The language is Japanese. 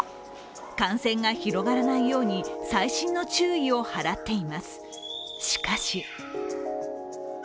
感染が広がらないように、細心の注意を払っています。